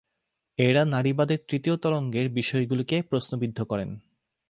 এরা নারীবাদের তৃতীয় তরঙ্গের বিষয়গুলিকে প্রশ্নবিদ্ধ করেন।